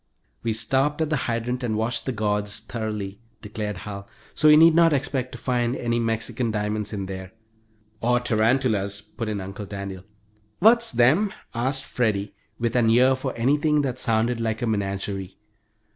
"We stopped at the hydrant and washed the gourds thoroughly," declared Hal, "so you need not expect to find any Mexican diamonds in them." "Or tarantulas," put in Uncle Daniel. "What's them?" asked Freddie, with an ear for anything that sounded like a menagerie.